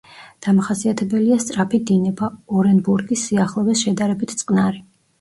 დამახასიათებელია სწრაფი დინება, ორენბურგის სიახლოვეს შედარებით წყნარი.